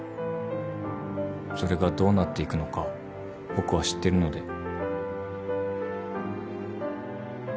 それがどうなっていくのか僕は知ってるので。